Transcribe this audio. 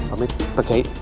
amin pak kiai